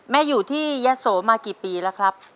แม่อยู่ที่เยอะโสธรณ์มากี่ปีแล้วครับ